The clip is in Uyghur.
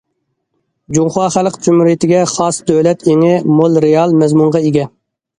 جۇڭخۇا خەلق جۇمھۇرىيىتىگە خاس دۆلەت ئېڭى مول رېئال مەزمۇنغا ئىگە.